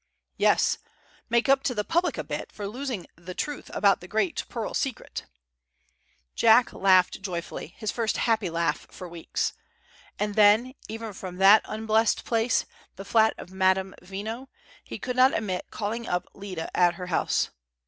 "Yes make up to the public a bit for losing the truth about the great pearl secret." Jack laughed joyfully his first happy laugh for weeks. And then, even from that unblest place, the flat of Madame Veno, he could not omit calling up Lyda, at her house.